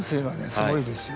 すごいですよ。